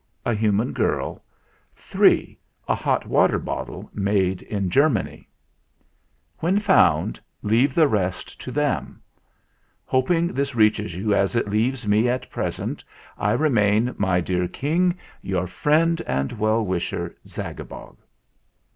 A human girl. "3. A hot water bottle made in Germany. 194 THE FLINT HEART "When found, leave the rest to them. "Hoping this reaches you as it leaves me at present, I remain, my dear King, your friend and well wisher, "ZAGABOG."